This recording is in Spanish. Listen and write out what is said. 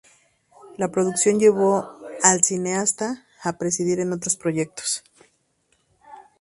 La producción llevó al cineasta a prescindir de otros proyectos.